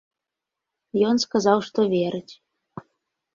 Ён сказаў, што верыць.